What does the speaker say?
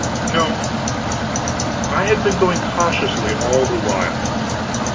No, I had been going cautiously all the while.